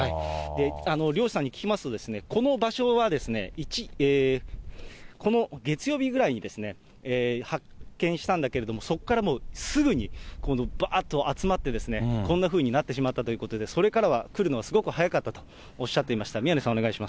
漁師さんに聞きますと、この場所は、この月曜日ぐらいに発見したんだけれども、そこからもうすぐにばーっと集まって、こんなふうになってしまったということで、それからは来るのはすごく早かったとおっしゃってました。